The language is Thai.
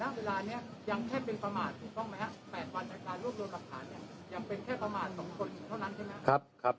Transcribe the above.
๘วันในการรวบรวมกับพยานเนี่ยยังเป็นแค่ประมาณ๒คนเท่านั้นใช่ไหมครับ